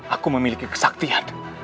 aku memiliki kesaktian